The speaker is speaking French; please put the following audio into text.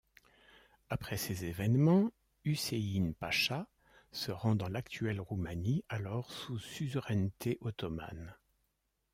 Après ces événements, Hüseyin Pacha se rend dans l'actuelle Roumanie alors sous suzeraineté ottomane.